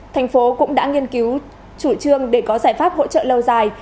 thành phố cũng đã nghiên cứu chủ trương để có giải pháp hỗ trợ lâu dài